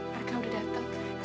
mereka udah dateng